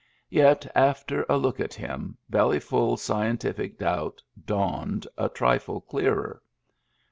Yet, after a look at him, Bellyfurs scientific doubt dawned a trifle clearer.